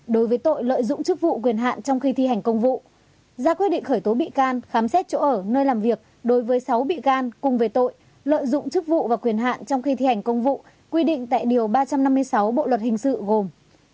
đối với tội lợi dụng chức vụ quyền hạn trong khi thi hành công vụ ra quyết định khởi tố bị can khám xét chỗ ở nơi làm việc đối với sáu bị can cùng về tội lợi dụng chức vụ và quyền hạn trong khi thi hành công vụ quy định tại điều ba trăm năm mươi sáu bộ luật hình sự gồm